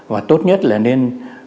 và tốt nhất là nên